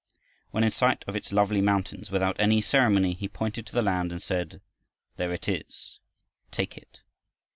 When in sight of its lovely mountains, without any ceremony he pointed to the land and said, "There it is, take it."